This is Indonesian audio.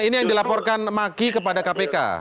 ini yang dilaporkan maki kepada kpk